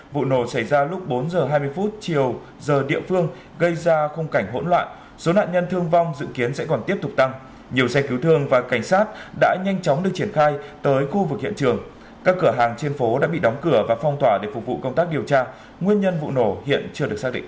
vụ nổ xảy ra lúc bốn h hai mươi chiều giờ địa phương gây ra khung cảnh hỗn loạn số nạn nhân thương vong dự kiến sẽ còn tiếp tục tăng nhiều xe cứu thương và cảnh sát đã nhanh chóng được triển khai tới khu vực hiện trường các cửa hàng trên phố đã bị đóng cửa và phong tỏa để phục vụ công tác điều tra nguyên nhân vụ nổ hiện chưa được xác định